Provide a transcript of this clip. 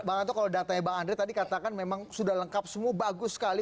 bang anto kalau datanya bang andre tadi katakan memang sudah lengkap semua bagus sekali